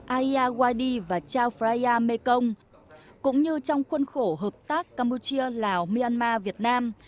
aya wadi và chao phraya mekong cũng như trong khuôn khổ hợp tác campuchia lào myanmar việt nam